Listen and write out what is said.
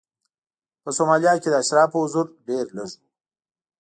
په سومالیا کې د اشرافو حضور ډېر لږ و.